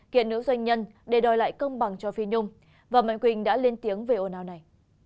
kiện nữ doanh nhân để đòi lại công bằng cho phi nhung và mạnh quỳnh đã lên tiếng về ồn ào này